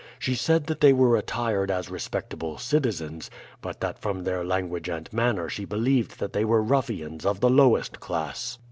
She said that they were attired as respectable citizens, but that from their language and manner she believed that they were ruffians of the lowest class.